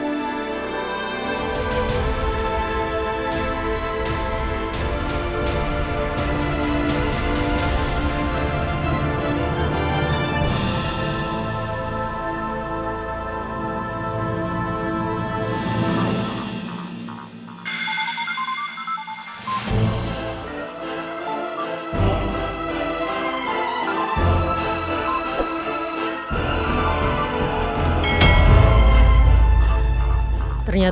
malika tak payah dipercayai